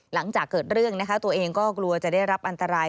หลังจากเกิดเรื่องนะคะตัวเองก็กลัวจะได้รับอันตราย